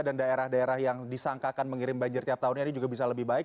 dan daerah daerah yang disangkakan mengirim banjir tiap tahun ini juga bisa lebih baik